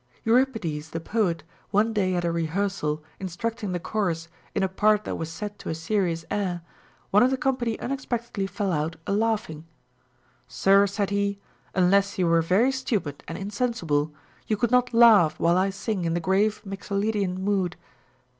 Euripides the poet one day at a rehearsal instructing the chorus in a part that was set to a serious air, one of the company unexpectedly fell out a laughing ; Sir, said he, unless you were very stupid and insensible, you could not lau'^h while I sing in the grave mixolvdian mood.